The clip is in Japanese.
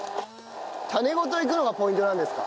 種ごといくのがポイントなんですか？